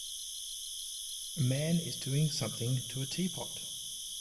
A man is doing something to a teapot.